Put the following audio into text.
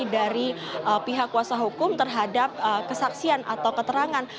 dari pihak kuasa hukum terhadap kesaksian atau keterangan